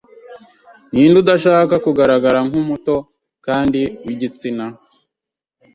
Ninde udashaka kugaragara nkumuto kandi wigitsina?